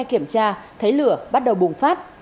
xe kiểm tra thấy lửa bắt đầu bùng phát